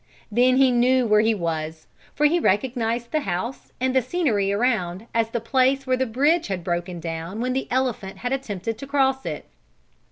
Then he knew where he was for he recognized the house and the scenery around as the place where the bridge had broken down when the elephant had attempted to cross it.